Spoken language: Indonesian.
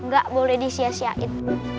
gak boleh disiasiain